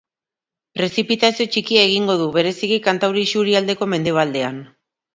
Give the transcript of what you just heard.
Prezipitazio txikia egingo du, bereziki kantauri isurialdeko mendebaldean.